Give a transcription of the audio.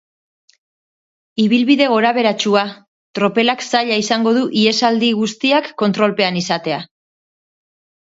Ibilbide gorabeheratsua, tropelak zaila izango du ihesaldi guztiak kontrolpean izatea.